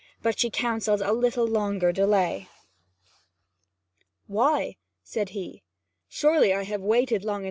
But she counselled a little longer delay. 'Why?' said he. 'Surely I have waited long!